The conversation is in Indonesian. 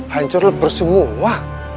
hancur lebar semua